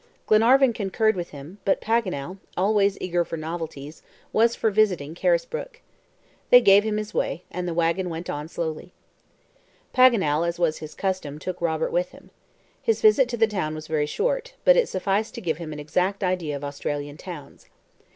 Glenarvan concurred with him, but Paganel, always eager for novelties, was for visiting Carisbrook. They gave him his way, and the wagon went on slowly. Paganel, as was his custom, took Robert with him. His visit to the town was very short, but it sufficed to give him an exact idea of Australian towns.